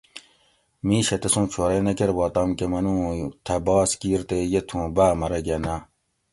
میشہ تسوں چھورئ نہ کروا تام کہ منو اُوں تھہ باس کِیر تے یہ تھوں باۤ مرگہ نہ